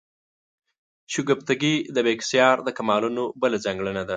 شګفتګي د بېکسیار د کالمونو بله ځانګړنه ده.